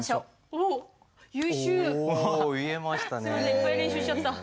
いっぱい練習しちゃった。